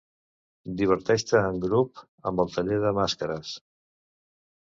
Diverteix-te en grup amb el taller de màscares.